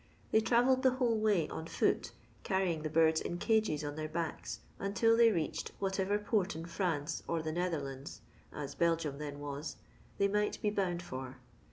They travelled the whole way on foot, carrying the birds in cages on their backs, until they reached whatever port in France or the Nether lands (as Belgium then was) they might be bound for.